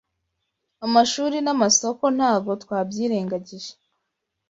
Amashuri n’ amasoko ntago twabyirengagije